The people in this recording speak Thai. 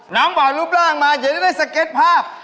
นำบ่านรูปร่างมาให้ได้สเกร็จภาพ